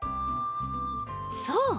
そう！